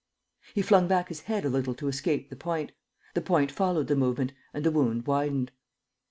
He flung back his head a little to escape the point: the point followed the movement and the wound widened.